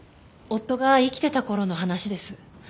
夫が生きてた頃の話です。